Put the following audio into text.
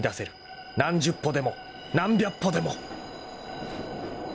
何十歩でも何百歩でも］